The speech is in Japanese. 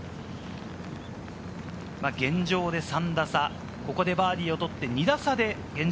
現状で３打差、ここでバーディーを取って、２打差で現状